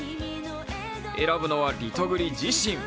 選ぶのは、リトグリ自身。